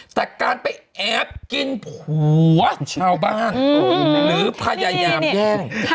แต่การไปแอบกินผัวชาวบ้านหรือพยายามแย่ง